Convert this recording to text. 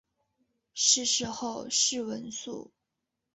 逝世后谥文肃。